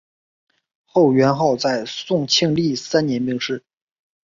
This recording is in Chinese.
后元昊在宋庆历三年病逝。